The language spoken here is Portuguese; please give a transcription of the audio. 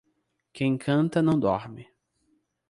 Quem canta não dorme